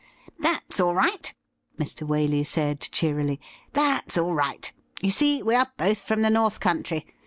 ' Thafs all right,' Mr. Waley said cheerily —' thafs all right. You see, we are both from the North Country.